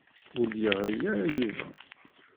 Ur d-yeɣri ara Yuba.